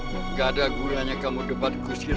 gak ada gunanya kamu debat kusir